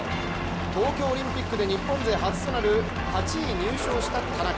東京オリンピックで日本勢初となる８位に入賞した田中。